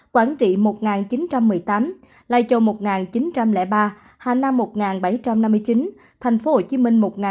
quảng trị một chín trăm một mươi tám lai châu một chín trăm linh ba hà nam một bảy trăm năm mươi chín tp hcm một năm trăm tám mươi